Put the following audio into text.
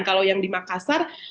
kalau yang di makassar